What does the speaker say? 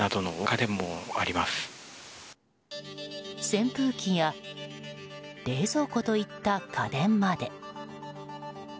扇風機や冷蔵庫といった家電まで。